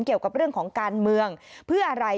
เกี่ยวกับเรื่องของการเมืองเพื่ออะไร